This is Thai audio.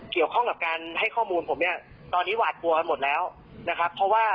ที่ให้ข้อมูลมาเขาก็กังวลว่า